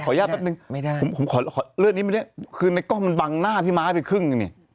ขออนุญาตแป๊บนึงขอเลือกนิดนึงคือในกล้อมมันบังหน้าพี่ม้าไปครึ่ง